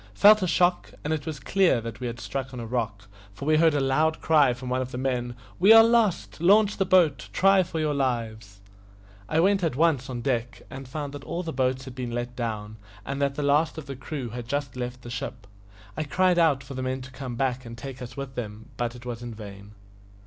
felt a shock, and it was clear that we had struck on a rock, for we heard a loud cry from one of the men, "We are lost! Launch the boat; try for your lives!" I went at once on deck, and found that all the boats had been let down, and that the last of the crew had just left the ship. I cried out for the men to come back and take us with them, but it was in vain.